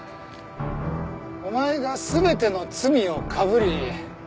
お前が全ての罪をかぶり